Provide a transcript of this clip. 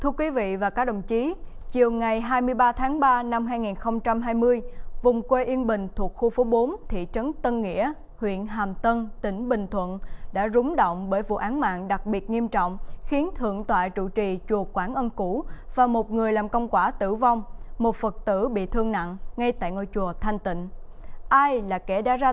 chào mừng quý vị đến với bộ phim hãy nhớ like share và đăng ký kênh của chúng mình nhé